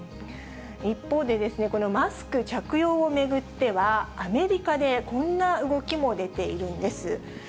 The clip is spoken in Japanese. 一方で、マスク着用を巡っては、アメリカで、こんな動きも出ているんです。